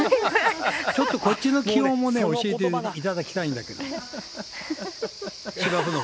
ちょっとこっちの気温も教えていただきたいんだけど。